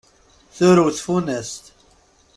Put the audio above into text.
Turew tfunast.